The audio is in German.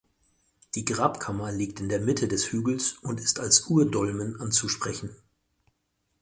Die Grabkammer liegt in der Mitte des Hügels und ist als Urdolmen anzusprechen.